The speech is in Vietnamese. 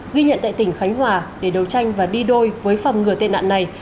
ghi nhận tại tỉnh khánh hòa để đấu tranh và đi đôi với phòng ngừa tệ nạn này